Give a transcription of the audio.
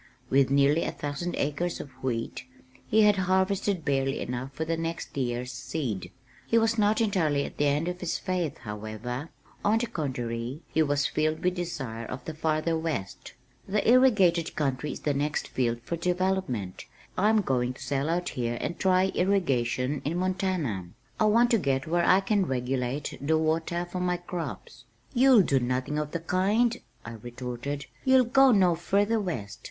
With nearly a thousand acres of wheat, he had harvested barely enough for the next year's seed. He was not entirely at the end of his faith, however; on the contrary, he was filled with desire of the farther west. "The irrigated country is the next field for development. I'm going to sell out here and try irrigation in Montana. I want to get where I can regulate the water for my crops." "You'll do nothing of the kind," I retorted. "You'll go no further west.